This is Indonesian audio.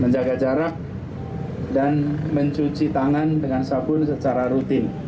menjaga jarak dan mencuci tangan dengan sabun secara rutin